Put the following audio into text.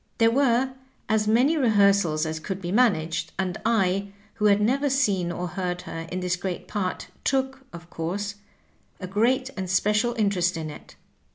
There were as many rehearsals as could be managed, and I, who had never seen or heard her in this great part, took, of course, a great and special inter est in it.